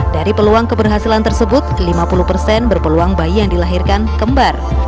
dari peluang keberhasilan tersebut lima puluh persen berpeluang bayi yang dilahirkan kembar